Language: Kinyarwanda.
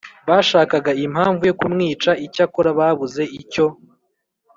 bashakaga impamvu yo kumwica icyakora babuze icyo